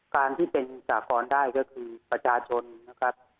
การที่เป็นสากรได้ก็คือประชาชนนะครับ